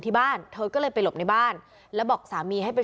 ที่บ้านเธอก็เลยไปหลบในบ้านแล้วบอกสามีให้ไป